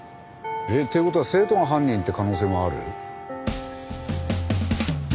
えっ？という事は生徒が犯人って可能性もある？